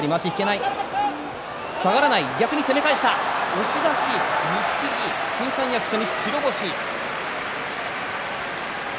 押し出し錦木、新三役、初日白星。